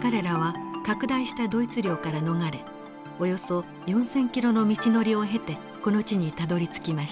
彼らは拡大したドイツ領から逃れおよそ４，０００キロの道のりを経てこの地にたどりつきました。